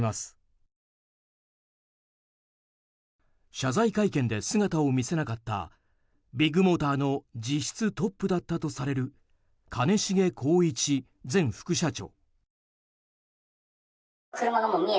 謝罪会見で姿を見せなかったビッグモーターの実質トップだったとされる兼重宏一前副社長。